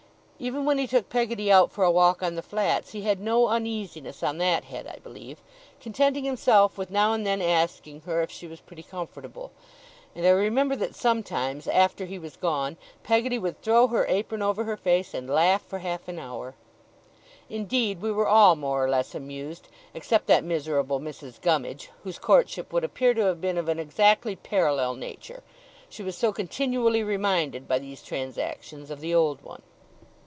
Even when he took Peggotty out for a walk on the flats, he had no uneasiness on that head, I believe; contenting himself with now and then asking her if she was pretty comfortable; and I remember that sometimes, after he was gone, Peggotty would throw her apron over her face, and laugh for half an hour. Indeed, we were all more or less amused, except that miserable Mrs. Gummidge, whose courtship would appear to have been of an exactly parallel nature, she was so continually reminded by these transactions of the old one.